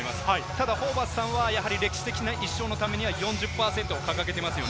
ただホーバスさんは、歴史的な一勝のために４０％を掲げています。